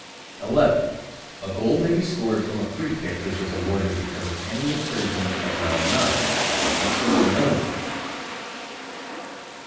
11. A goal may be scored from a free kick which is awarded because of any infringement of Law 9, but not from any other free kick.